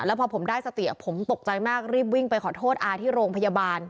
แล้วพอผมได้สติผมตกใจมากรีบวิ่งไปขอโทษอาที่โรงพยาบาล